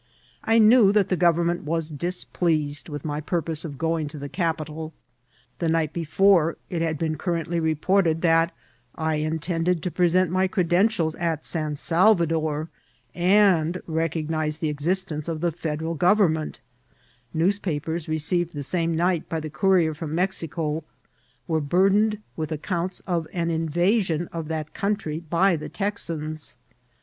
I knew that the government was displeased with my pur pose of going to the capitol. The night before it had been currently reported that I intended to present my credentiak at San Salvador, and recognise the exist ence of the Federal Government ; newspapers received "DIPLOlllTIC DIFFICULTIES. 811 the same night by the courier firom Mexico were bur* dened with accounts of an invasion of that country by the Texans.